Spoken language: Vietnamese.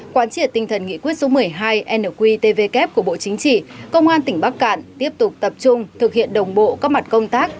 quán triệt tinh thần nghị quyết số một mươi hai nqtvk của bộ chính trị công an tỉnh bắc cạn tiếp tục tập trung thực hiện đồng bộ các mặt công tác